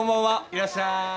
いらっしゃい。